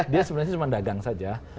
dia sebenarnya cuma dagang saja